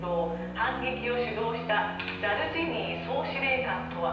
反撃を主導したザルジニー総司令官とは？